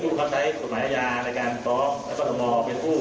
ตั้งแต่ไอ้คนไม่จ้ารถแบกมันก็ไม่ต้องแบก